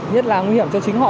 nhất là nguy hiểm cho chính họ